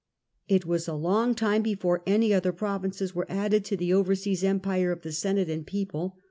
It was a long time before any other provinces were added to the over seas empire of the Senate and People.